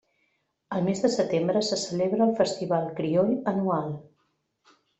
Al mes de setembre se celebra el Festival Crioll anual.